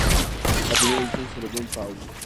La primera edición se celebró en Pau.